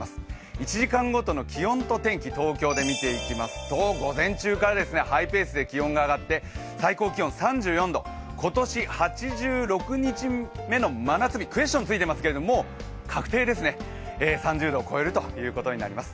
１時間ごとの気温と天気、東京で見ていきますと午前中からハイペースで気温が上がって最高気温３４度、今年８６日目の真夏日、クエスチョンがついていますが、もう確定ですね、３０度を超えるということになります。